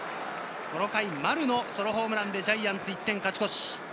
この回、丸のソロホームランでジャイアンツ、１点勝ち越し。